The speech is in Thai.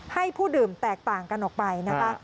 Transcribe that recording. ให้ผู้ดื่มแตกต่างกันออกไปนะคะ